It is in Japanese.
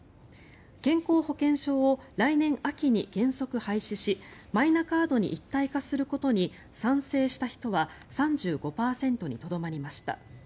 健康保険証を来年秋に原則廃止しマイナカードに一体化することに賛成した人は３５％にとどまりました。